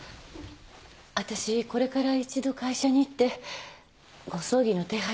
私これから一度会社に行ってご葬儀の手配をしてきます。